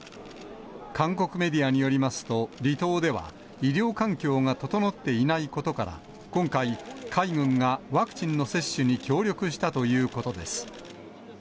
韓国メディアによりますと、離島では、医療環境が整っていないことから、今回、海軍がワクチンの接種に協力したということです。